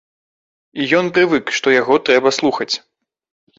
І ён прывык, што яго трэба слухаць.